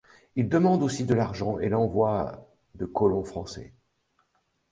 Il demande aussi de l'argent et l'envoi de colons français.